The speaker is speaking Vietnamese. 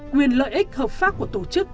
quyền lợi ích hợp pháp của tổ chức